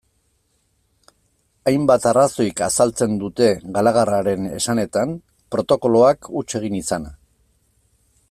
Hainbat arrazoik azaltzen dute, Galarragaren esanetan, protokoloak huts egin izana.